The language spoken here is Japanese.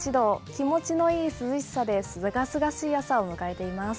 日持ちの良い涼しさで清々しい朝を迎えています。